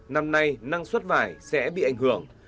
năm nay năng suất vải sẽ bị ảnh hưởng